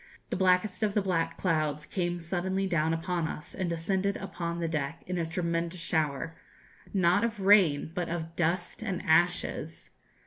the blackest of the black clouds came suddenly down upon us, and descended upon the deck in a tremendous shower not of rain, but of dust and ashes.